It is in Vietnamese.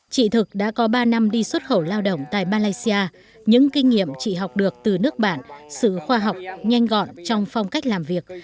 chị thực đã có ba năm đi xuất khẩu lao động tại malaysia những kinh nghiệm chị học được từ nước bạn sự khoa học nhanh gọn trong phong cách làm việc